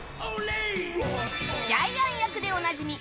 ジャイアン役でおなじみ